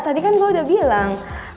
tadi kan gue udah bilang